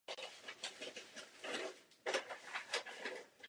V mé zemi, Spojeném království, tento problém dobře známe.